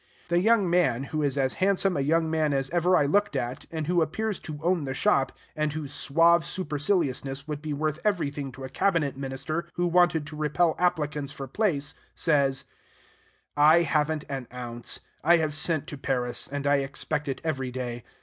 The young man, who is as handsome a young man as ever I looked at, and who appears to own the shop, and whose suave superciliousness would be worth everything to a cabinet minister who wanted to repel applicants for place, says, "I have n't an ounce: I have sent to Paris, and I expect it every day.